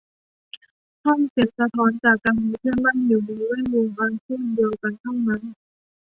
ห้องเสียงสะท้อนจากการมีเพื่อนบ้านอยู่ในแวดวงอาชีพเดียวกันเท่านั้น